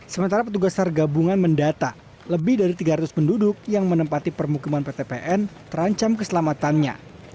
sementara petugas sar gabungan mendata lebih dari tiga ratus penduduk yang menempati permukiman ptpn terancam keselamatannya